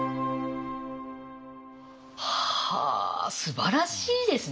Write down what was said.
はあすばらしいですね。